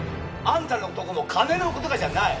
「あんたのとこも『金』のことか！」じゃない。